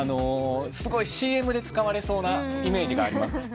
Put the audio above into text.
すごいＣＭで使われそうなイメージがあります。